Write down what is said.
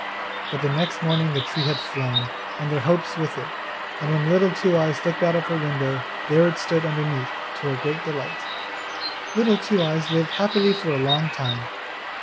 But the next morning the tree had flown, and their hopes with it; and when Little Two eyes looked out of her window there it stood underneath, to her great delight. Little Two eyes lived happily for a long time.